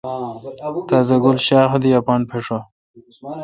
تازہ گل شاخ دی اپان پھشہ۔